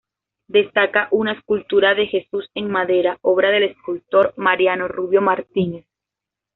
Destaca una escultura de Jesús en madera obra del escultor Mariano Rubio Martínez.